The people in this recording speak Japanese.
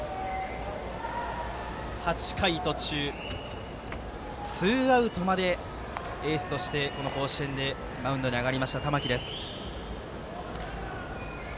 ８回途中ツーアウトまでエースとしてこの甲子園でマウンドに上がった玉木です。